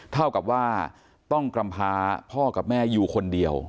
เท่ากับว่าต้องกำพาพ่อกับแม่อยู่คนเดียว